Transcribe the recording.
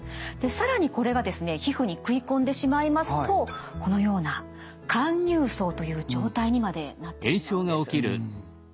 更にこれがですね皮膚にくいこんでしまいますとこのような陥入爪という状態にまでなってしまうんです。